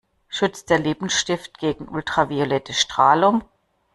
Schützt der Lippenstift gegen ultraviolette Strahlung?